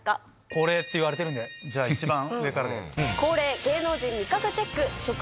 恒例っていわれてるんで一番上からで。